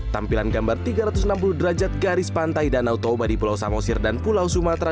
tampilan gambar tiga ratus enam puluh derajat garis pantai danau toba di pulau samosir dan pulau sumatera